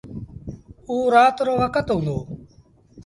اوٚ رآت رو وکت هُݩدو۔